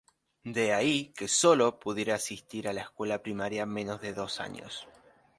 De ahí que sólo pudiera asistir a la escuela primaria menos de dos años.